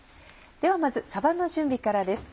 ではまずさばの準備からです。